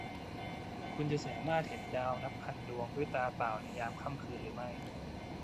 คุณจะสามารถเห็นดาวนับพันดวงด้วยตาเปล่าในยามค่ำคืนหรือไม่ ?